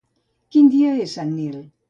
Quin dia és Sant Nil?